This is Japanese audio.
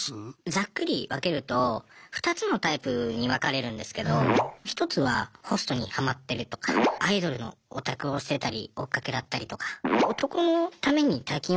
ざっくり分けると２つのタイプに分かれるんですけど１つはホストにハマってるとかアイドルのオタクをしてたりおっかけだったりとか男のために大金をつぎ込んでる